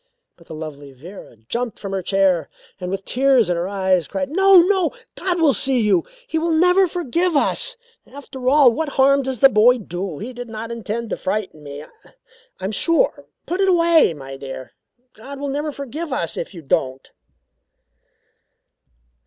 But the lovely Vera jumped from her chair and, with tears in her eyes, cried: "No! No! God will see you. He will never forgive us. After all, what harm does the boy do? He did not intend to frighten me, I am sure, put it away, my dear God will never forgive us if you don't."